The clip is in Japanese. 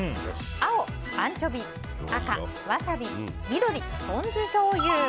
青、アンチョビ赤、ワサビ緑、ポン酢しょうゆ。